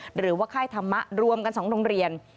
หรือว่าค่ายธรรมะรวมกัน๒โรงเรียน